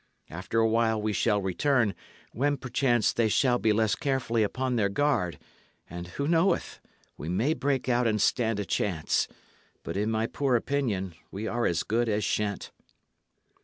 After a while we shall return, when perchance they shall be less carefully upon their guard; and, who knoweth? we may break out and stand a chance. But, in my poor opinion, we are as good as shent."